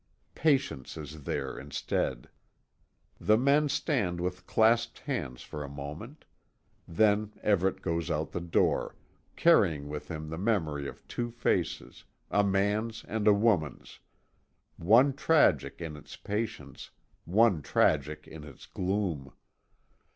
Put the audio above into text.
Patience is there, instead. The men stand with clasped hands for a moment; then Everet goes out the door, carrying with him the memory of two faces, a man's and a woman's; one tragic in its patience; one tragic in its gloom.